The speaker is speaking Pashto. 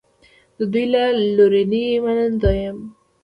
د دوی له لورینې منندوی یم.